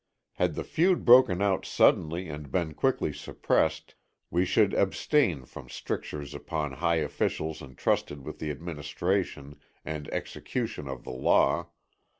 Had the feud broken out suddenly and been quickly suppressed, we should abstain from strictures upon high officials entrusted with the administration and execution of the law.